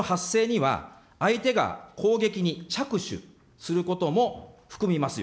当然、この発生には相手が攻撃に着手することも含みますよ。